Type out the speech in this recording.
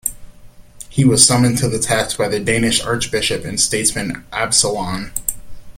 He was summoned to the task by the Danish archbishop and statesman Absalon.